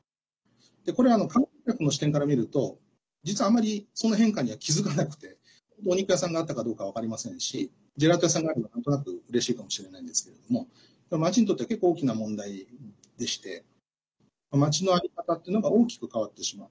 これを観光客の視点から見ると実は、あんまりその変化には気付かなくてお肉屋さんがあったかどうか分かりませんしジェラート屋さんがあるとなんとなくうれしいかもしれないけれどもまちにとっては結構、大きな問題でしてまちのあり方っていうのが大きく変わってしまう。